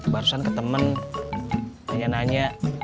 barusan ketemen nanya nanya